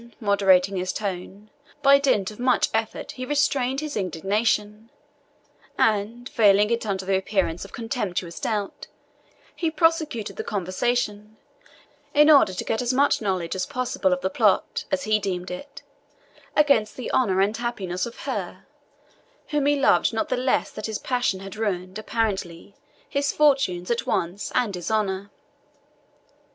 Then, moderating his tone, by dint of much effort he restrained his indignation, and, veiling it under the appearance of contemptuous doubt, he prosecuted the conversation, in order to get as much knowledge as possible of the plot, as he deemed it, against the honour and happiness of her whom he loved not the less that his passion had ruined, apparently, his fortunes, at once, and his honour.